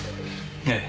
ええ。